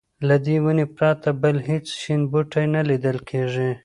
له دې ونې پرته بل هېڅ شین بوټی نه لیدل کېږي.